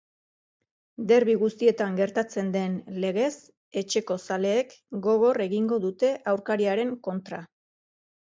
Derbi guztietan gertatzen den legez, etxeko zaleek gogor egingo dute aurkariaren kontra.